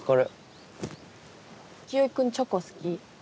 清居君チョコ好き？